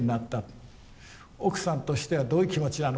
奥さんとしてはどういう気持ちなのか。